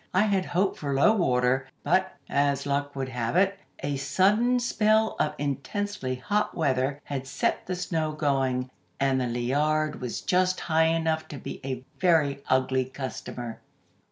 I had hoped for low water, but, as luck would have it, a sudden spell of intensely hot weather had set the snow going, and the Liard was just high enough to be a very ugly customer.